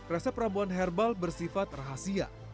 resep rambuan herbal bersifat rahasia